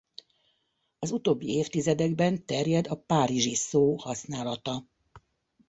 Az utóbbi évtizedekben terjed a párizsi szó használata.